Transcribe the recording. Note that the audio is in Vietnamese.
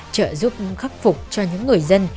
trợ giúp khắc phục cho những người dân